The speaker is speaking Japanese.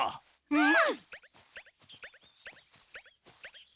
うん！